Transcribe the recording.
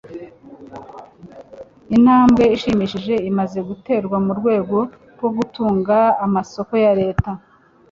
intambwe ishimishije imaze guterwa mu rwego rwo gutunga amasoko ya leta